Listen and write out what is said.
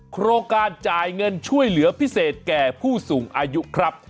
โครงการจ่ายเงินช่วยเหลือพิเศษแก่ผู้สูงอายุครับ